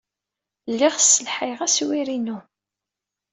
Lliɣ sselhayeɣ aswir-inu.